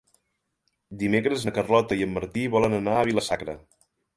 Dimecres na Carlota i en Martí volen anar a Vila-sacra.